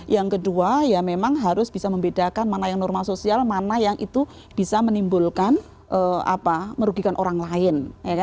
yang kedua ya memang harus bisa membedakan mana yang normal sosial mana yang itu bisa menimbulkan merugikan orang lain